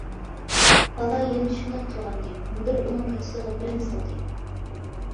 بالا يەنە شۇنداق تۇرغانىدى، مۇدىر ئۇنىڭ كاچىتىغا بىرنى سالدى.